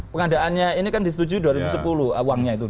pengadaannya ini kan disetujui dua ribu sepuluh uangnya itu